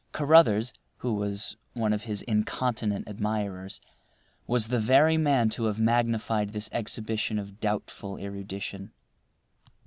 Carruthers, who was one of his incontinent admirers, was the very man to have magnified this exhibition of doubtful erudition.